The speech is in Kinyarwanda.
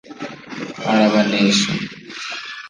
arabanesha